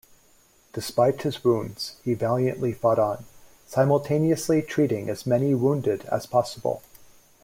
Despite his wounds, he valiantly fought on, simultaneously treating as many wounded as possible.